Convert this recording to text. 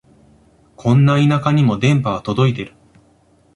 こんな田舎にも電波は届いてる